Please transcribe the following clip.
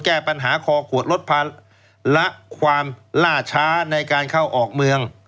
แก้ปัญหาคอขวดลดภาระความล่าช้าในการเข้าออกเมือง